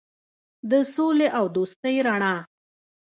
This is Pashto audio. د سولې او دوستۍ رڼا.